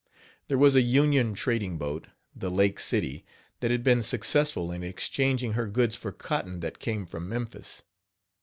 There was a Union trading boat, the Lake City, that had been successful in exchanging her goods for cotton that came from Memphis.